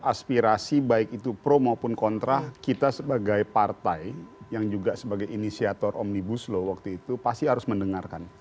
aspirasi baik itu pro maupun kontra kita sebagai partai yang juga sebagai inisiator omnibus law waktu itu pasti harus mendengarkan